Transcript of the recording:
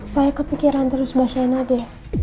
saya kepikiran terus mbak shena deh